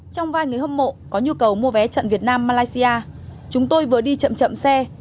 trong vài người hâm mộ có nhu cầu mua vé trận việt nam malaysia chúng tôi vừa đi chậm chậm xe